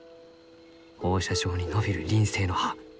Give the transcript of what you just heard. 放射状に伸びる輪生の葉